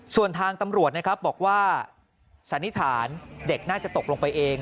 ส่วนทางตำรวจนะครับบอกว่าสันนิษฐานเด็กน่าจะตกลงไปเอง